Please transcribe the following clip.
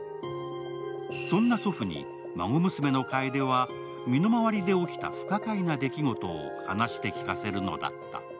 そんな祖父に孫娘の楓は身の回りで起きた不可解な出来事を話して聞かせるのだった。